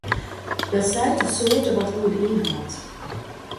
Dat seit út soarte wat oer de ynhâld.